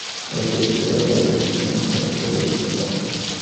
অবশেষে রুক্মিণী সহসা বলিয়া উঠিল, বটে।